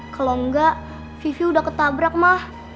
kalau enggak vivi udah ketabrak mah